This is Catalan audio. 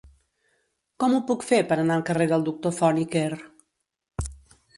Com ho puc fer per anar al carrer del Doctor Font i Quer?